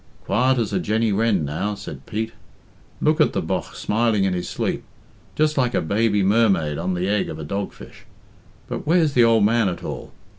"Quiet as a Jenny Wren, now," said Pete. "Look at the bogh smiling in his sleep. Just like a baby mermaid on the egg of a dogfish. But where's the ould man at all?